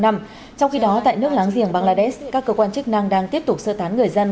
trong khi đó tại nước láng giềng bangladesh các cơ quan chức năng đang tiếp tục sơ tán người dân